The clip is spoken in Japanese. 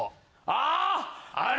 ああ！